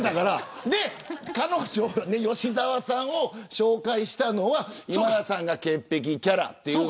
吉澤さんを紹介したのは今田さんが潔癖キャラという。